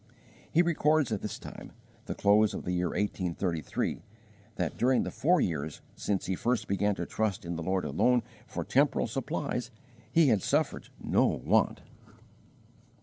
He records at this time the close of the year 1833 that during the four years since he first began to trust in the Lord alone for temporal supplies he had suffered no want.